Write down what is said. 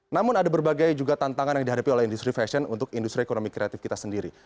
namun ada berbagai juga tantangan yang dihadapi oleh industri fashion untuk industri ekonomi kreatif kita sendiri